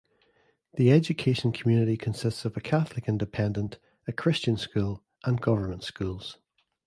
The education community consists of a Catholic Independent, a Christian School and Government schools.